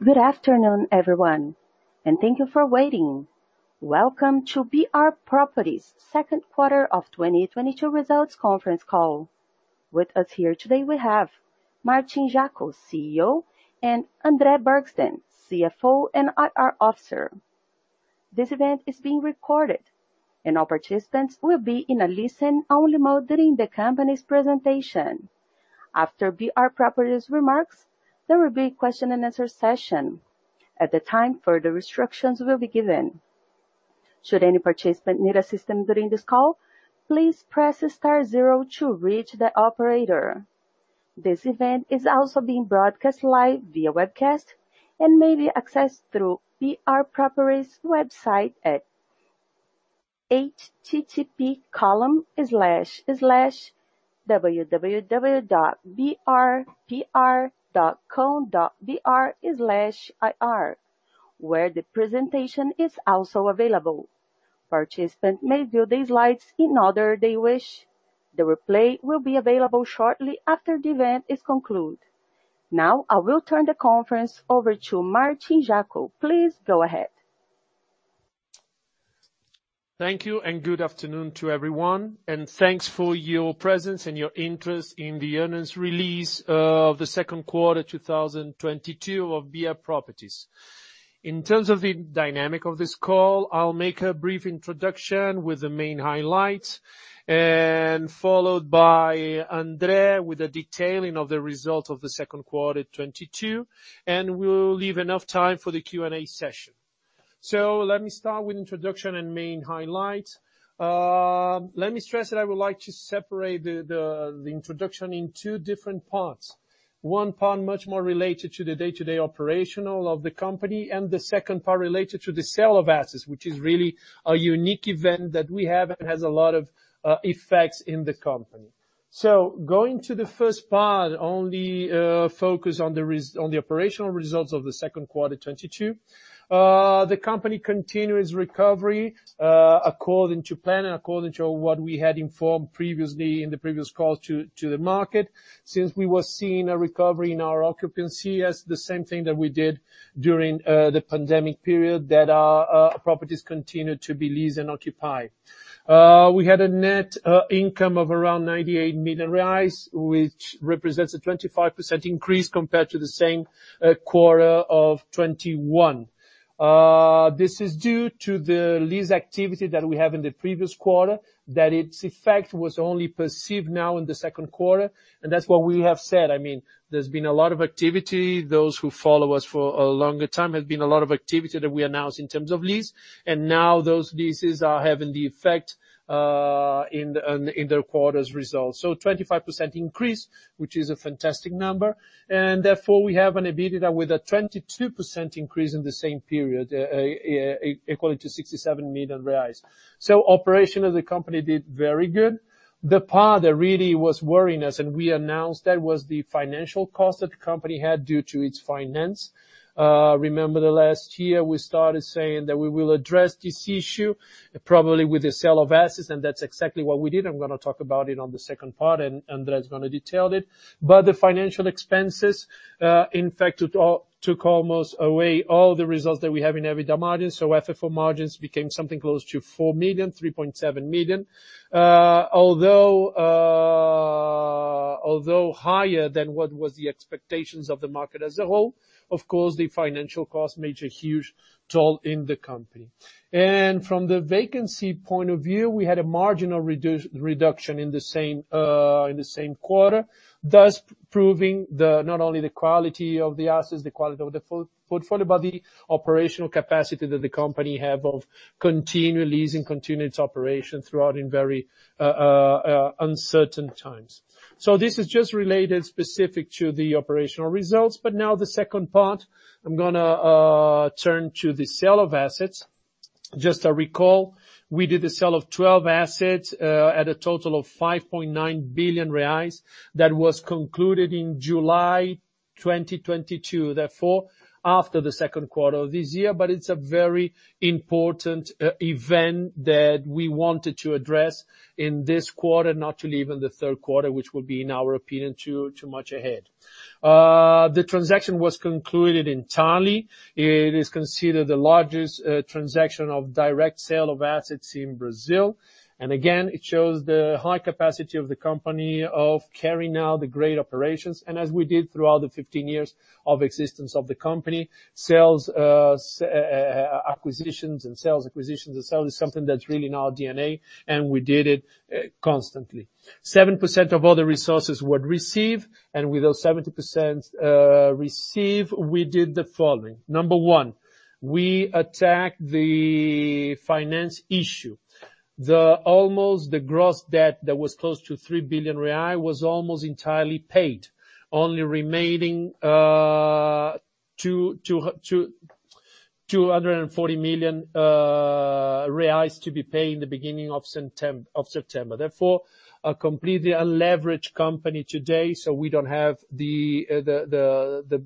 Good afternoon, everyone, and thank you for waiting. Welcome to BR Properties second quarter of 2022 results conference call. With us here today we have Martin Jaco, CEO, and André Bergstein, CFO and IR officer. This event is being recorded and all participants will be in a listen only mode during the company's presentation. After BR Properties remarks, there will be a question and answer session. At the time, further restrictions will be given. Should any participant need assistance during this call, please press star zero to reach the operator. This event is also being broadcast live via webcast and may be accessed through BR Properties website at http://www.brpr.com.br/ir, where the presentation is also available. Participants may view these slides in order they wish. The replay will be available shortly after the event is concluded. Now I will turn the conference over to Martin Jaco. Please go ahead. Thank you and good afternoon to everyone, and thanks for your presence and your interest in the earnings release of the second quarter 2022 of BR Properties. In terms of the dynamic of this call, I'll make a brief introduction with the main highlights and followed by André with the detailing of the results of the second quarter 2022, and we'll leave enough time for the Q&A session. Let me start with introduction and main highlights. Let me stress that I would like to separate the introduction in two different parts. One part much more related to the day-to-day operational of the company and the second part related to the sale of assets, which is really a unique event that we have and has a lot of effects in the company. Going to the first part, only focus on the operational results of the second quarter 2022. The company continued its recovery, according to plan and according to what we had informed previously in the previous call to the market. Since we were seeing a recovery in our occupancy as the same thing that we did during the pandemic period that our properties continued to be leased and occupied. We had a net income of around 98 million reais, which represents a 25% increase compared to the same quarter of 2021. This is due to the lease activity that we have in the previous quarter, that its effect was only perceived now in the second quarter, and that's what we have said. I mean, there's been a lot of activity. Those who follow us for a longer time have been a lot of activity that we announced in terms of lease, and now those leases are having the effect in the quarter's results. 25% increase, which is a fantastic number, and therefore we have an EBITDA with a 22% increase in the same period, equaling 67 million reais. Operation of the company did very good. The part that really was worrying us, and we announced that, was the financial cost that the company had due to its finance. Remember the last year we started saying that we will address this issue probably with the sale of assets, and that's exactly what we did. I'm gonna talk about it on the second part and André's gonna detail it. The financial expenses, in fact, it all took almost away all the results that we have in EBITDA margins. FFO margins became something close to 4 million, 3.7 million. Although higher than what was the expectations of the market as a whole, of course, the financial cost made a huge toll in the company. From the vacancy point of view, we had a marginal reduction in the same quarter, thus proving not only the quality of the assets, the quality of the portfolio, but the operational capacity that the company have of continually using continuous operation throughout in very uncertain times. This is just related specific to the operational results. Now the second part, I'm gonna turn to the sale of assets. Just to recall, we did the sale of 12 assets at a total of 5.9 billion reais. That was concluded in July 2022, therefore after the second quarter of this year. It's a very important event that we wanted to address in this quarter, not to leave in the third quarter, which will be, in our opinion, too much ahead. The transaction was concluded entirely. It is considered the largest transaction of direct sale of assets in Brazil. It shows the high capacity of the company of carrying out the great operations. As we did throughout the 15 years of existence of the company, sales, acquisitions and sales, acquisitions and sales is something that's really in our DNA, and we did it constantly. 7% of all the resources were received, and with those 70% received, we did the following. Number one, we attacked the financing issue. Almost the gross debt that was close to 3 billion reais was almost entirely paid. Only remaining 240 million reais to be paid in the beginning of September. Therefore, a completely unleveraged company today, so we don't have the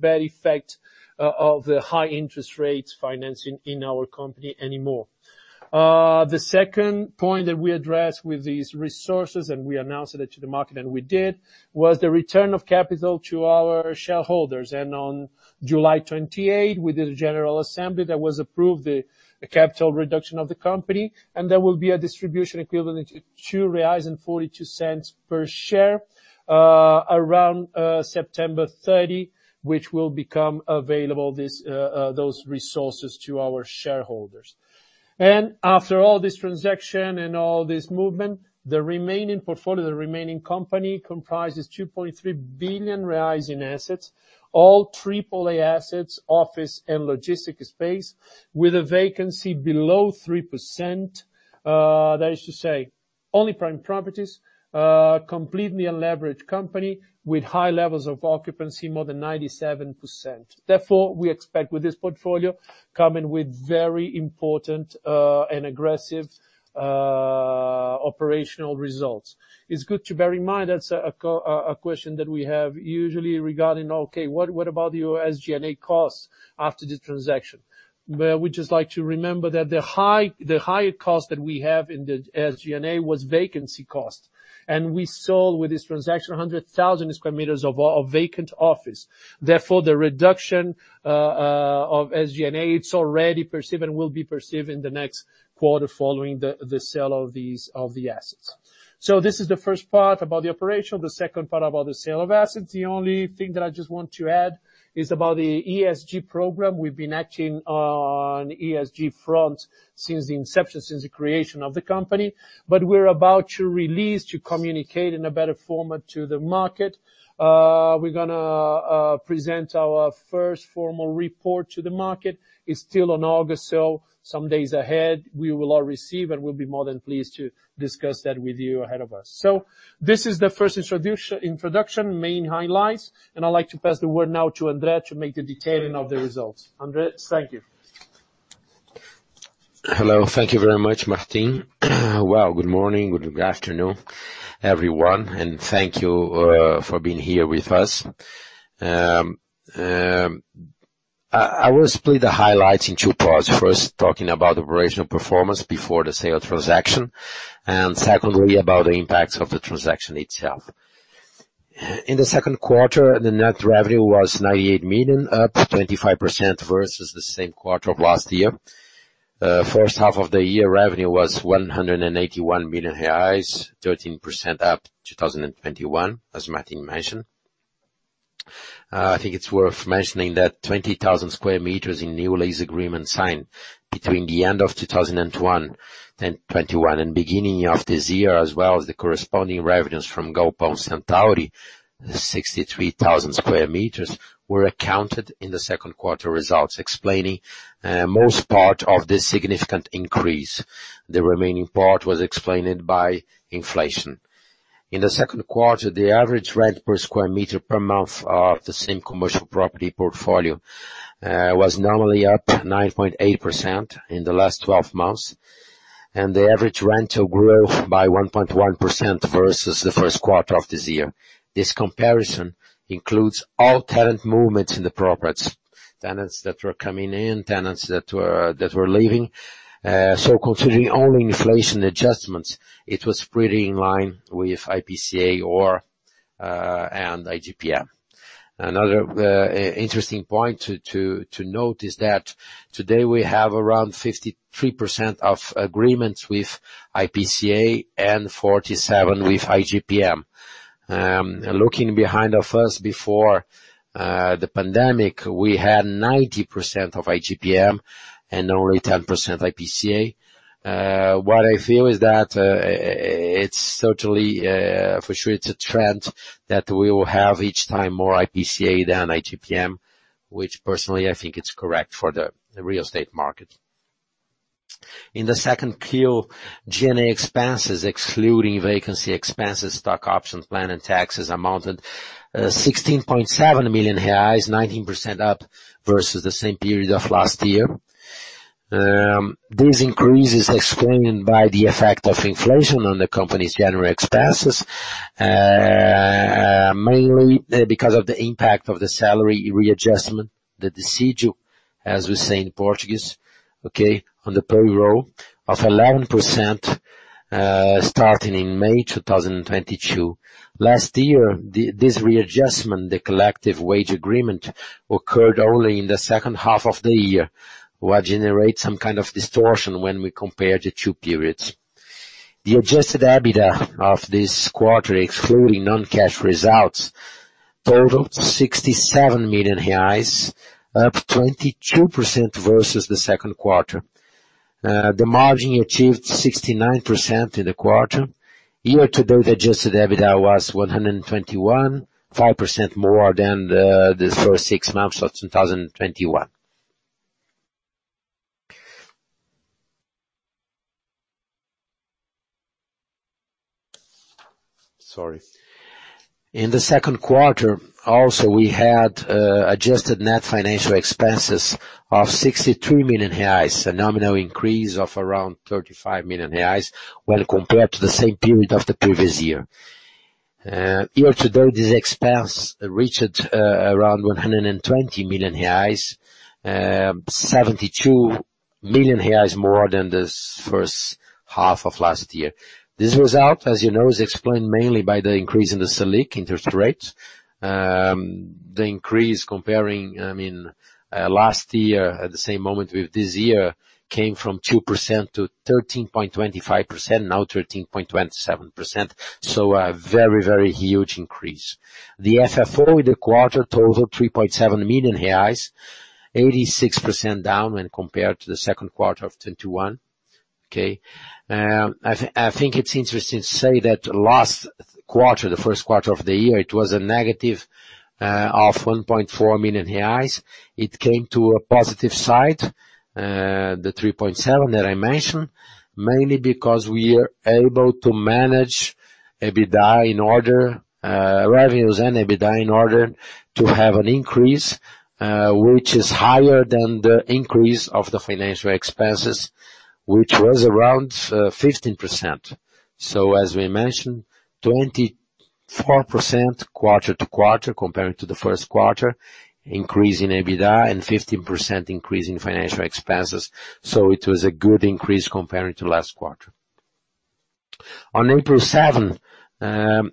bad effect of the high interest rates financing in our company anymore. The second point that we addressed with these resources, and we announced it to the market, and we did, was the return of capital to our shareholders. On July 28, we did a general assembly that approved the capital reduction of the company, and there will be a distribution equivalent to 2.42 reais per share, around September 30, which will become available those resources to our shareholders. After all this transaction and all this movement, the remaining portfolio, the remaining company comprises 2.3 billion reais in assets, all Triple-A assets, office and logistics space with a vacancy below 3%. That is to say only prime properties, completely unleveraged company with high levels of occupancy, more than 97%. Therefore, we expect with this portfolio coming with very important and aggressive operational results. It's good to bear in mind that's a common question that we have usually regarding, okay, what about your SG&A costs after this transaction. Well, we just like to remember that the higher cost that we have in the SG&A was vacancy cost. We sold with this transaction 100,000 m² of vacant office. Therefore, the reduction of SG&A, it's already perceived and will be perceived in the next quarter following the sale of the assets. This is the first part about the operational. The second part about the sale of assets. The only thing that I just want to add is about the ESG program. We've been acting on ESG front since the inception, since the creation of the company. We're about to release, to communicate in a better format to the market. We're gonna present our first formal report to the market. It's still on August, so some days ahead, we will all receive, and we'll be more than pleased to discuss that with you ahead of us. This is the first introduction, main highlights, and I'd like to pass the word now to André to make the detailing of the results. André, thank you. Hello. Thank you very much, Martin. Well, good morning. Good afternoon, everyone, and thank you for being here with us. I will split the highlights in two parts. First, talking about operational performance before the sale transaction, and secondly, about the impacts of the transaction itself. In the second quarter, the net revenue was 98 million, up 25% versus the same quarter of last year. First half of the year, revenue was 181 million reais, 13% up, 2021, as Martin mentioned. I think it's worth mentioning that 20,000 m² in new lease agreement signed between the end of 2021 and beginning of this year, as well as the corresponding revenues from Galpão Centauri, 63,000 m², were accounted in the second quarter results, explaining most part of this significant increase. The remaining part was explained by inflation. In the second quarter, the average rent per square meter per month of the same commercial property portfolio was nominally up 9.8% in the last 12 months, and the average rental growth by 1.1% versus the first quarter of this year. This comparison includes all tenant movements in the properties, tenants that were coming in, tenants that were leaving. Considering only inflation adjustments, it was pretty in line with IPCA and IGPM. Another interesting point to note is that today we have around 53% of agreements with IPCA and 47% with IGPM. Looking behind us before the pandemic, we had 90% of IGPM and only 10% IPCA. What I feel is that it's totally for sure it's a trend that we will have each time more IPCA than IGPM, which personally I think it's correct for the real estate market. In the Q2, G&A expenses excluding vacancy expenses, stock options plan and taxes amounted 16.7 million reais, 19% up versus the same period of last year. This increase is explained by the effect of inflation on the company's general expenses, mainly, because of the impact of the salary readjustment, the dissídio, as we say in Portuguese, okay, on the payroll of 11%, starting in May 2022. Last year, this readjustment, the collective wage agreement, occurred only in the second half of the year, which generates some kind of distortion when we compare the two periods. The Adjusted EBITDA of this quarter, excluding non-cash results, totaled 67 million reais, up 22% versus the second quarter. The margin achieved 69% in the quarter. Year to date, adjusted EBITDA was 121 million, 5% more than the first six months of 2021. In the second quarter also, we had adjusted net financial expenses of 63 million reais, a nominal increase of around 35 million reais when compared to the same period of the previous year. Year-to-date, this expense reached around 120 million reais, 72 million reais more than this first half of last year. This result, as you know, is explained mainly by the increase in the Selic interest rate. The increase comparing, I mean, last year at the same moment with this year, came from 2%-13.25%, now 13.27%. A very, very huge increase. The FFO with the quarter totaled 3.7 million reais, 86% down when compared to the second quarter of 2021, okay. I think it's interesting to say that last quarter, the first quarter of the year, it was a negative of 1.4 million reais. It came to a positive side, the 3.7 million that I mentioned, mainly because we are able to manage EBITDA in order, revenues and EBITDA in order to have an increase, which is higher than the increase of the financial expenses, which was around 15%. As we mentioned, 24% quarter-to-quarter compared to the first quarter increase in EBITDA and 15% increase in financial expenses. It was a good increase comparing to last quarter. On April 7, the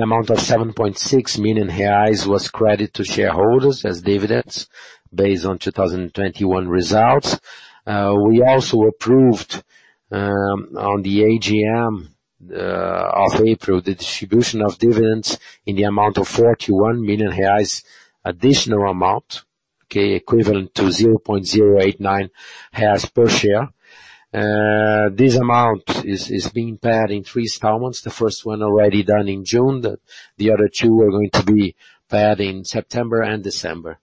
amount of 7.6 million reais was credited to shareholders as dividends based on 2021 results. We also approved on the AGM of April the distribution of dividends in the amount of 41 million reais additional amount, okay, equivalent to 0.089 reais per share. This amount is being paid in three installments, the first one already done in June. The other two are going to be paid in September and December.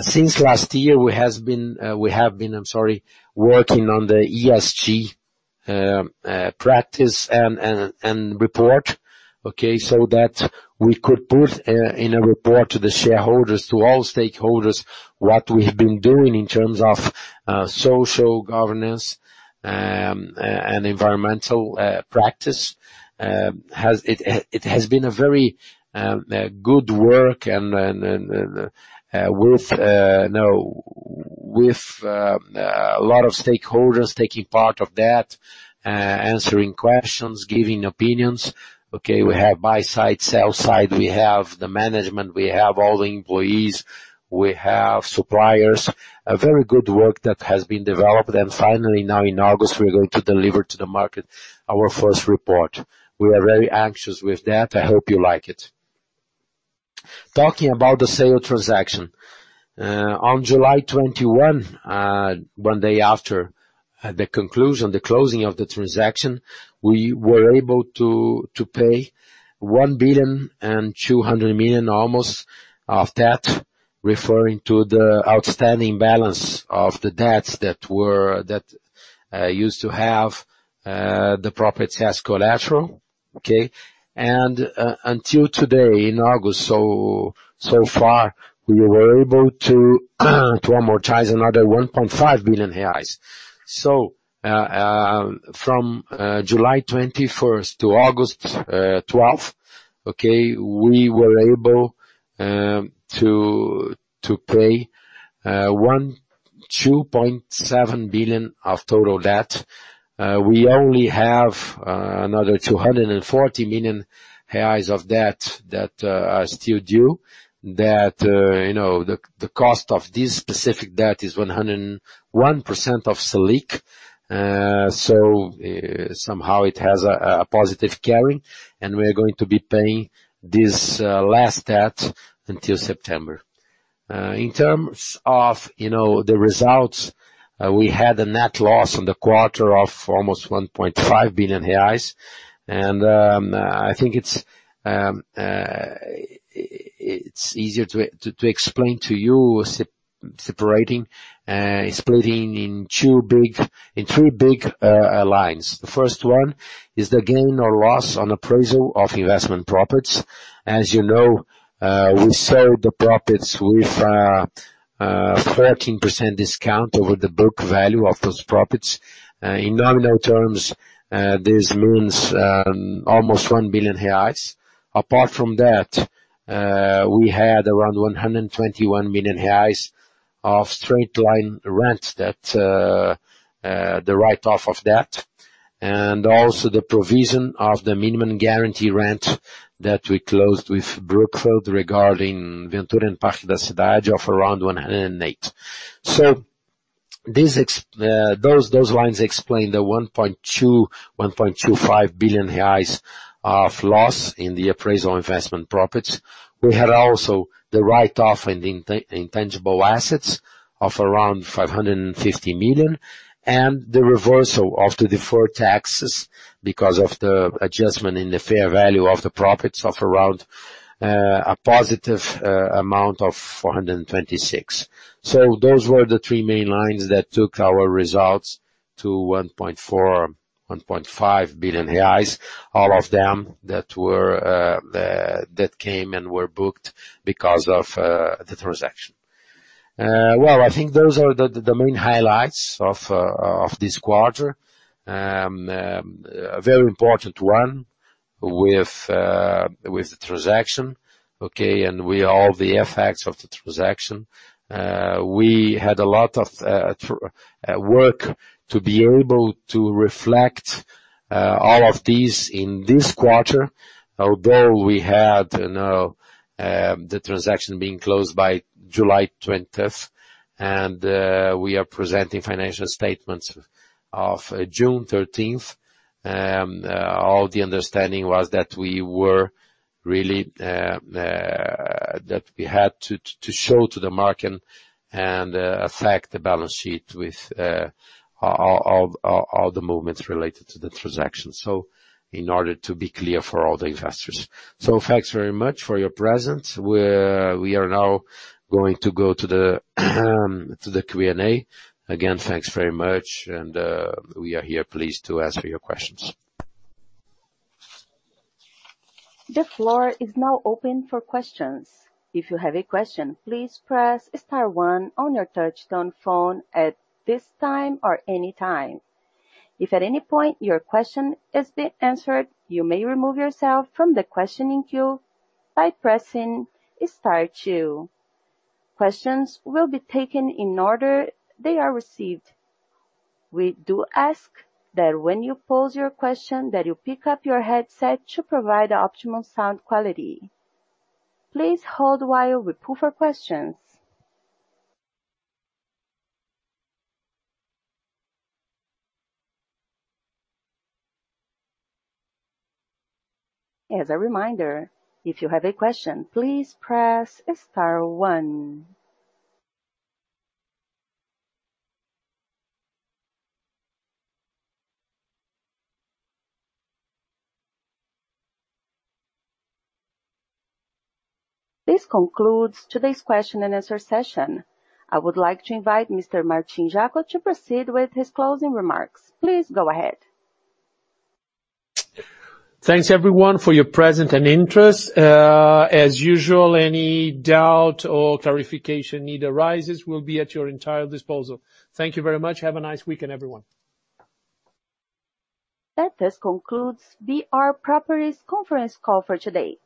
Since last year, we have been working on the ESG practice and report, okay. That we could put in a report to the shareholders, to all stakeholders, what we have been doing in terms of social governance and environmental practice. It has been a very good work and with a lot of stakeholders taking part of that, answering questions, giving opinions, okay. We have buy side, sell side, we have the management, we have all the employees, we have suppliers. A very good work that has been developed. Finally, now in August, we're going to deliver to the market our first report. We are very anxious with that. I hope you like it. Talking about the sale transaction. On July 21, one day after the conclusion, the closing of the transaction, we were able to pay almost BRL 1.2 billion of debt, referring to the outstanding balance of the debts that were that used to have the properties as collateral, okay. Until today in August, so far, we were able to amortize another 1.5 billion reais. From July 21st to August 12, we were able to pay 2.7 billion of total debt. We only have another 240 million reais of debt that are still due. You know, the cost of this specific debt is 101% of Selic. Somehow it has a positive carrying, and we're going to be paying this last debt until September. In terms of the results, you know, we had a net loss on the quarter of almost 1.5 billion reais. I think it's easier to explain to you splitting in three big lines. The first one is the gain or loss on appraisal of investment properties. As you know, we sold the properties with a 14% discount over the book value of those properties. In nominal terms, this means almost 1 billion reais. Apart from that, we had around 121 million reais of straight-line rent that the write-off of that, and also the provision of the minimum guarantee rent that we closed with Brookfield regarding Ventura and Parque da Cidade of around 108 million. Those lines explain the 1.25 billion reais of loss in the appraisal of investment properties. We had also the write-off in the intangible assets of around 550 million, and the reversal of the deferred taxes because of the adjustment in the fair value of the properties of around a positive amount of 426 million. Those were the three main lines that took our results to 1.4 billion-1.5 billion reais, all of them that came and were booked because of the transaction. Well, I think those are the main highlights of this quarter. A very important one with the transaction, okay? All the effects of the transaction. We had a lot of work to be able to reflect all of these in this quarter. Although we had, you know, the transaction being closed by July 20th, and we are presenting financial statements of June 13th. All the understanding was that we had to show to the market and affect the balance sheet with all the movements related to the transaction, so in order to be clear for all the investors. Thanks very much for your presence. We're now going to go to the Q&A. Again, thanks very much and we are here pleased to answer your questions. The floor is now open for questions. If you have a question, please press Star One on your touchtone phone at this time or any time. If at any point your question has been answered, you may remove yourself from the questioning queue by pressing Star Two. Questions will be taken in order they are received. We do ask that when you pose your question that you pick up your headset to provide optimal sound quality. Please hold while we pull for questions. As a reminder, if you have a question, please press Star One. This concludes today's question and answer session. I would like to invite Mr. Martin Jaco to proceed with his closing remarks. Please go ahead. Thanks everyone for your presence and interest. As usual, any doubt or clarification need arises, we'll be at your entire disposal. Thank you very much. Have a nice weekend, everyone. That just concludes BR Properties conference call for today.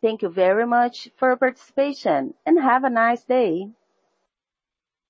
Thank you very much for your participation, and have a nice day.